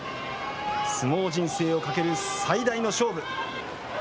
相撲人生をかける最大の勝負。